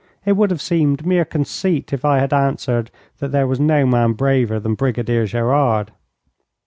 It would have seemed mere conceit if I had answered that there was no man braver than Brigadier Gerard.